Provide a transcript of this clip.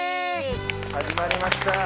始まりました。